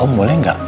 om boleh gak